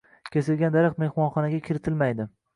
kesilgan daraxt mehmonxonaga kiritilmaydi.